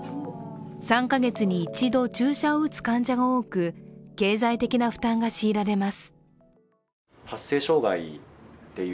３か月に一度注射を打つ患者が多く経済的な負担が強いられます。